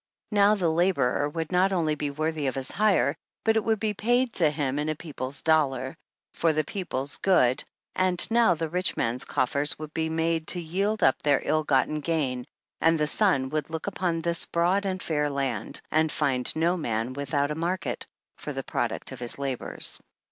Now the laborer w'ould not only be worthy of his hire, but it would be paid to him in a people's dollar, for the people's good, and now the rich man's coffers would be made to yield up their ill gotten gain, and the sun would look upon this broad and fair land, and find no man without a mar ket for the product of his labors.